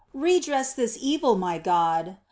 8 1 Redress this evil, my God !